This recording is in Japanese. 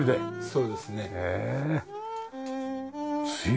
そうですね。